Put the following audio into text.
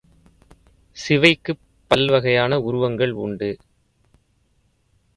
சிவைக்குப் பல் வகையான உருவங்கள் உண்டு.